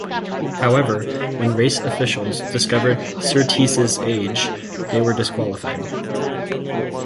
However, when race officials discovered Surtees's age, they were disqualified.